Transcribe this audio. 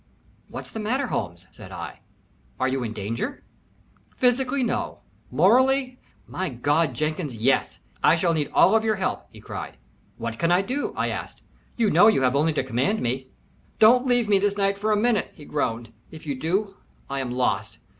"What's the matter, Holmes?" said. "Are you in danger?" "Physically, no morally, my God! Jenkins, yes. I shall need all of your help," he cried. "What can I do?" I asked. "You know you have only to command me." "Don't leave me this night for a minute," he groaned. "If you do, I am lost.